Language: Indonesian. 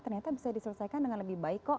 ternyata bisa diselesaikan dengan lebih baik kok